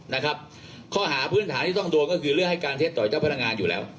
นะครับข้อหาพื้นฐานที่ต้องโดนก็คือเรื่องให้การเท็จต่อเจ้าพนักงานอยู่แล้ว